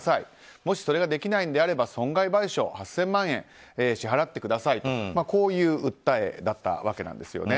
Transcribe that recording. もしそれができないのであれば損害賠償８０００万円を支払ってくださいという訴えだったわけなんです。